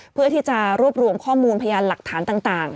เพื่อที่จะรวบรวมข้อมูลพยานหลักฐานต่าง